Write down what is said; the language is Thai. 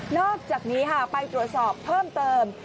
อกจากนี้ค่ะไปตรวจสอบเพิ่มเติม